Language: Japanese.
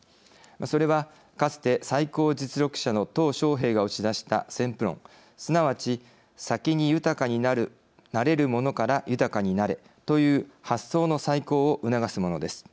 それは、かつて最高実力者のとう小平氏が打ち出した先富論すなわち先に豊かになれるものから豊かになれという発想の再考を促すものです。